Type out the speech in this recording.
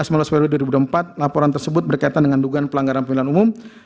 melalui dua ribu empat laporan tersebut berkaitan dengan dugaan pelanggaran pemilu umum